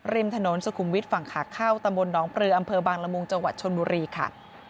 ริมถนนสุขุมวิทย์ฝั่งขาเข้าตำบลหนองปลืออำเภอบางละมุงจังหวัดชนบุรีค่ะ